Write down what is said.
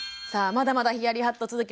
まだまだヒヤリハット続きます。